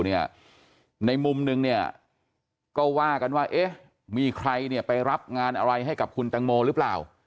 ในมุมนึงเนี่ยก็ว่ากันว่าเอ๊ะมีใครไปรับงานอะไรให้กับคุณตังโมหรือเปล่า